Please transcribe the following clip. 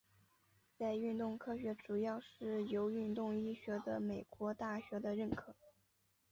在运动科学主要是由运动医学的美国大学的认可。